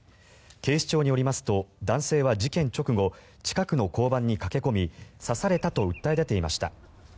警視庁によりますと男性は事件直後近くの交番に駆け込み刺されたと訴え出ていました。